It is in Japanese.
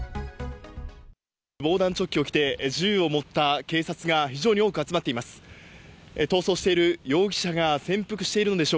防弾チョッキを着て、銃を持った警察官が非常に多く集まっています。